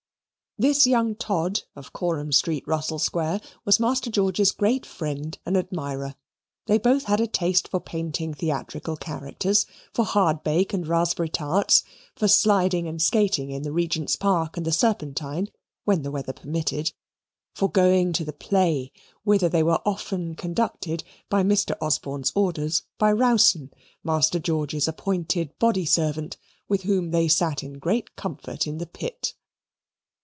This young Todd, of Coram Street, Russell Square, was Master George's great friend and admirer. They both had a taste for painting theatrical characters; for hardbake and raspberry tarts; for sliding and skating in the Regent's Park and the Serpentine, when the weather permitted; for going to the play, whither they were often conducted, by Mr. Osborne's orders, by Rowson, Master George's appointed body servant, with whom they sat in great comfort in the pit.